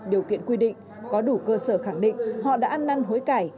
điều kiện quy định có đủ cơ sở khẳng định họ đã ăn năn hối cải